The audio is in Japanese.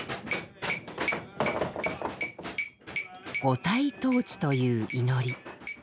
「五体投地」という祈り。